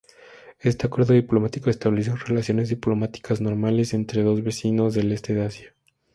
Este acuerdo diplomático estableció relaciones diplomáticas "normales" entre dos vecinos del este de Asia.